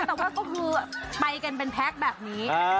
แต่ว่าก็คือไปกันเป็นแพ็คแบบนี้